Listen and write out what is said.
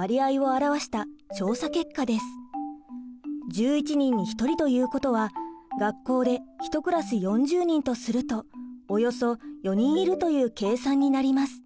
１１人に１人ということは学校で１クラス４０人とするとおよそ４人いるという計算になります。